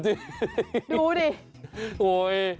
ดูสิ